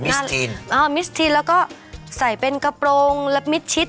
นาลีนอ่ามิสทีนแล้วก็ใส่เป็นกระโปรงและมิดชิด